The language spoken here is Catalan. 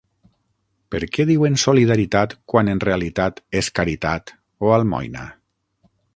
Per què diuen "solidaritat" quan en realitat és "caritat" o "almoina"?